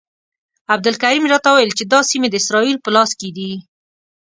عبدالکریم راته وویل چې دا سیمې د اسرائیلو په لاس کې دي.